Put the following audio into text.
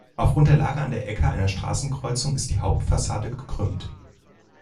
Aufgrund der Lage an der Ecke einer Straßenkreuzung ist die Hauptfassade gekrümmt.